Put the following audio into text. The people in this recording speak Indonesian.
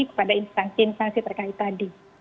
kepada instansi instansi terkait tadi